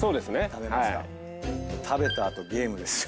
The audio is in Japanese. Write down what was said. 食べた後ゲームですよ。